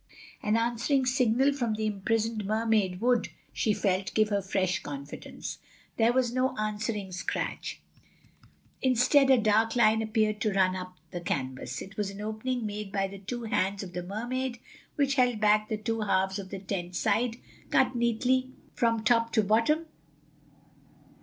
An answering signal from the imprisoned Mermaid would, she felt, give her fresh confidence. There was no answering scratch. Instead, a dark line appeared to run up the canvas—it was an opening made by the two hands of the Mermaid which held back the two halves of the tent side, cut neatly from top to bottom.